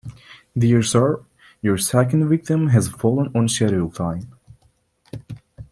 Dear Sir, Your second victim has fallen on schedule time.